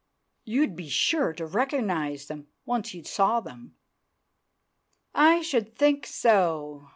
You'd be sure to rekernize them once you'd saw them——" I should think so!